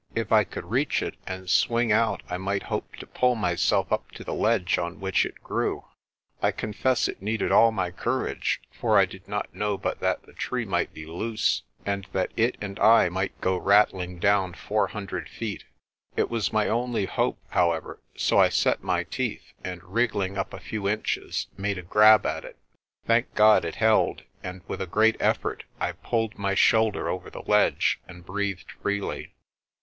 If I could reach it and swing out I might hope to pull myself up to the ledge on which it grew. I confess it needed all my courage, for I did not know but that the tree might be loose, and that it and I might go rattling down four hundred feet. It was my only hope, however, so I set my teeth, and wriggling up a few inches, made a grab at it. Thank God it held, and with a great effort I pulled my shoulder over the ledge, and breathed freely.